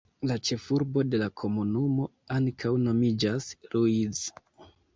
La ĉefurbo de la komunumo ankaŭ nomiĝas Ruiz.